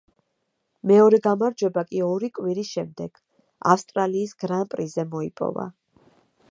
მეორე გამარჯვება კი ორი კვირის შემდეგ, ავსტრალიის გრან-პრიზე მოიპოვა.